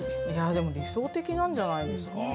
いやでも理想的なんじゃないですか？